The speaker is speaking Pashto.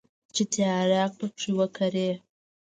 چې ترياک پکښې وکري.